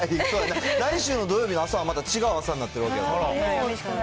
来週の土曜日の朝はまた違う朝になってるわけやから。